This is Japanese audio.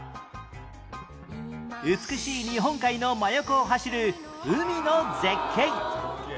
美しい日本海の真横を走る海の絶景